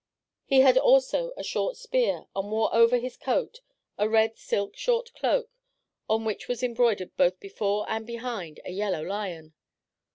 He had also a short spear, and wore over his coat a red silk short cloak on which was embroidered, both before and behind, a yellow lion.